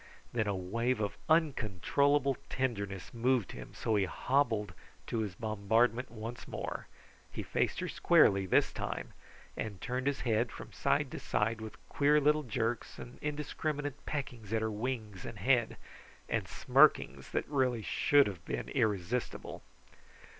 Then a wave of uncontrollable tenderness moved him so he hobbled to his bombardment once more. He faced her squarely this time, and turned his head from side to side with queer little jerks and indiscriminate peckings at her wings and head, and smirkings that really should have been irresistible.